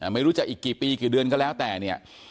ไม่รู้จะอีกกี่ปีกี่เดือนก็แล้วแต่เนี่ย